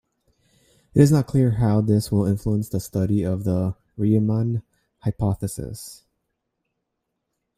It is not clear how this will influence the study of the Riemann hypothesis.